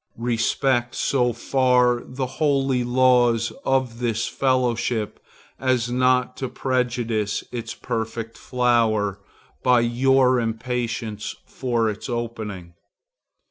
Respect so far the holy laws of this fellowship as not to prejudice its perfect flower by your impatience for its opening.